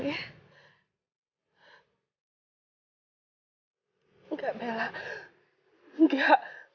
tidak bella tidak